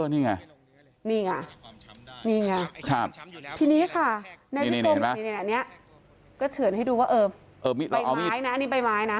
นี่ไงนี่ไงทีนี้ค่ะนายพิกรมเห็นไหมอันนี้ก็เฉินให้ดูว่าเออใบไม้นะอันนี้ใบไม้นะ